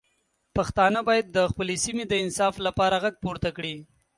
پښتانه باید د خپلې سیمې د انصاف لپاره غږ پورته کړي.